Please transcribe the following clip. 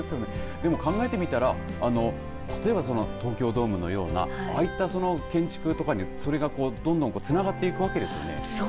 でも考えてみたら例えば、東京ドームのようなああいった建築とかにそれがどんどんつながっていくわけですね。